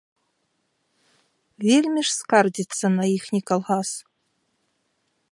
Вельмі ж скардзіцца на іхні калгас.